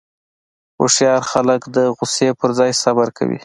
هوښیار خلک د غوسې پر ځای صبر کوي.